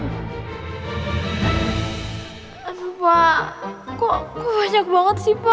aduh pak kok banyak banget sih pak